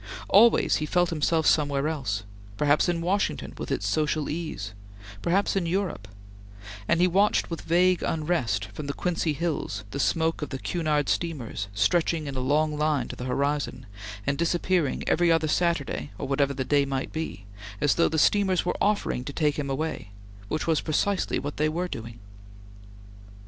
Always he felt himself somewhere else; perhaps in Washington with its social ease; perhaps in Europe; and he watched with vague unrest from the Quincy hills the smoke of the Cunard steamers stretching in a long line to the horizon, and disappearing every other Saturday or whatever the day might be, as though the steamers were offering to take him away, which was precisely what they were doing.